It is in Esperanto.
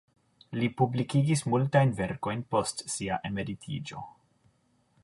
Li publikigis multajn verkojn post sia emeritiĝo.